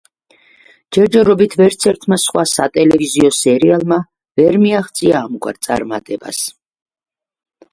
ჯერჯერობით ვერცერთმა სხვა სატელევიზიო სერიალმა ვერ მიაღწია ამგვარ წარმატებას.